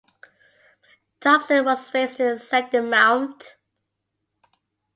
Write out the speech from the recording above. Dobson was raised in Sandymount.